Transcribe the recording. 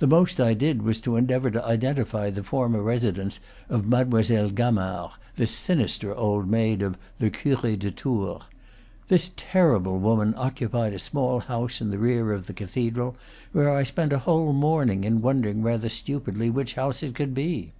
The most I did was to endeavor to identify the former residence of Mademoiselle Gamard, the sinister old maid of "Le Cure de Tours." This terrible woman occupied a small house in the rear of the cathedral, where I spent a whole morning in wondering rather stupidly which house it could be.